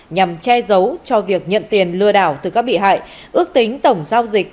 nhằm che giấu cho việc nhận tiền lừa đảo từ các bị hại ước tính tổng giao dịch